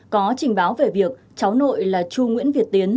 có trình báo về việc cháu nội là chu nguyễn việt tiến